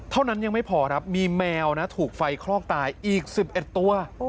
เท่านั้นยังไม่พอครับมีแมวนะถูกไฟคลอกตายอีก๑๑ตัว